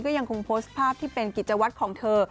ก็ยังคงโพสต์ภาพที่เป็นกิจวัตรของเธอ